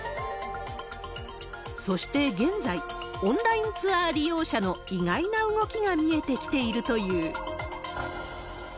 そして現在、オンラインツアー利用者の意外な動きが見えてきているという。